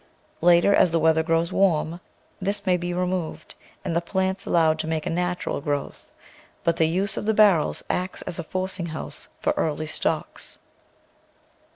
Later, as the weather grows warm, this may be removed and the plants allowed to make a natural growth, but the use of the barrels acts as a forcing house for early stalks.